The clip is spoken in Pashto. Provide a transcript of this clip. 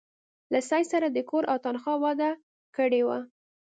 له سید سره د کور او تنخوا وعده کړې وه.